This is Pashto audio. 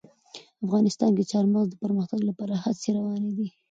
افغانستان کې د چار مغز د پرمختګ لپاره هڅې روانې دي.